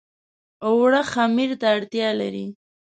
اوړه خمیر ته اړتيا لري